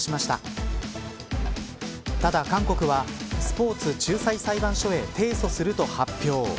ただ、韓国はスポーツ仲裁裁判所へ提訴すると発表。